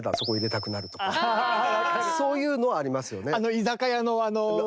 そういうのはありますよね。